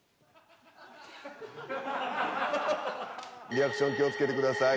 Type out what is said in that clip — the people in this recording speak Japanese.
リアクション気を付けてください。